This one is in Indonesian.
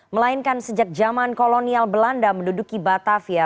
melainkan sejak zaman kolonial belanda menduduki batavia